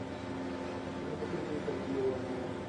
এগুলির প্রত্যেকটিই শব্দীয় বর্ণমালা লিপি।